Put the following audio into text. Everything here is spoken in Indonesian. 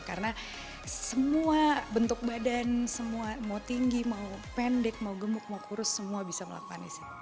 karena semua bentuk badan semua mau tinggi mau pendek mau gemuk mau kurus semua bisa melakukan ini